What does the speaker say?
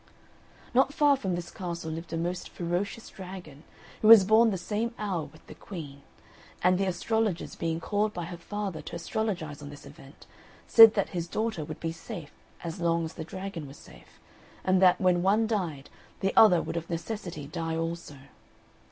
Not far from this castle lived a most ferocious dragon, who was born the same hour with the Queen; and the astrologers being called by her father to astrologise on this event, said that his daughter would be safe as long as the dragon was safe, and that when one died, the other would of necessity die also.